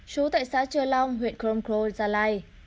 chú tại xã chơ long huyện krom krol gia lai